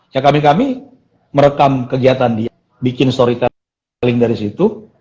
ya kami kami merekam kegiatan dia bikin storytel selling dari situ